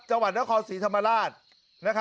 จังหวัดนครศรีธรรมราช